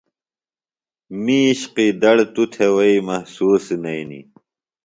می عِشقی دڑ توۡ تھےۡ وئی محسوس نئینیۡ۔